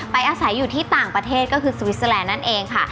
อาศัยอยู่ที่ต่างประเทศก็คือสวิสเตอร์แลนด์นั่นเองค่ะ